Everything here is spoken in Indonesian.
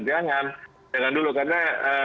jangan jangan dulu karena